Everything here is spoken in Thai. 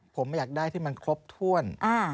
ผมอยากได้ที่มันครบถ้วน